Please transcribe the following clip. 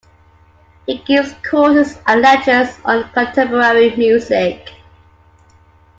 He gives courses and lectures on contemporary music.